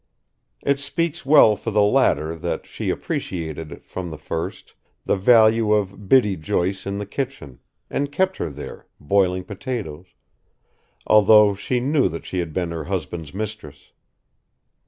It speaks well for the latter that she appreciated, from the first, the value of Biddy Joyce in the kitchen, and kept her there, boiling potatoes, although she knew that she had been her husband's mistress.